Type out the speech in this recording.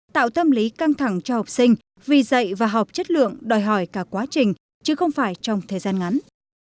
tạo tâm lý căng thẳng cho học sinh vì dạy và học chất lượng đòi hỏi cả quá trình chứ không phải trong thời gian ngắn